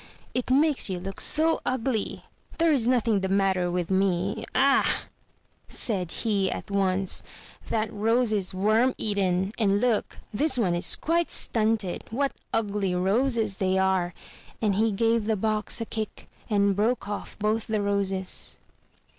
"It makes you look so ugly! There's nothing the matter with me. Ah," said he at once, "that rose is worm eaten, and look, this one is quite stunted! What ugly roses they are!" and he gave the box a kick and broke off both the roses.